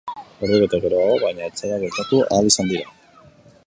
Ordubete geroago, baina, etxera bueltatu ahal izan dira.